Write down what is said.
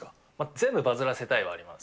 全部バズらせたいはあります。